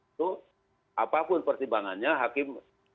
itu apapun pertimbangannya hakim